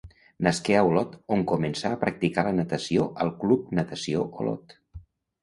Nasqué a Olot on començà a practicar la natació al Club Natació Olot.